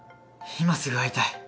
今すぐ会いたい！